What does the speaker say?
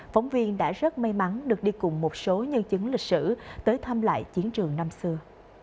phóng viên đã rất may mắn được đi cùng một số nhân chứng lịch sử tới thăm lại chiến trường năm xưa